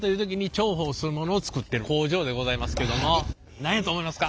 何やと思いますか？